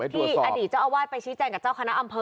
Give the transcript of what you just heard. อดีตเจ้าอาวาสไปชี้แจงกับเจ้าคณะอำเภอ